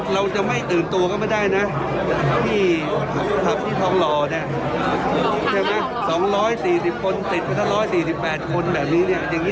เราจะไม่อื่นตัวกันไม่ได้เนี่ย